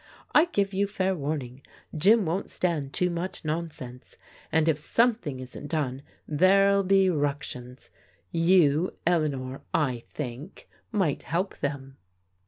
I give you fair warning, Jim won't stand too much nonsense, and if something isn't done, there'll be ructions. You, Eleanor, I think, might help them."